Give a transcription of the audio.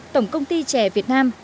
tổng công ty trẻ việt nam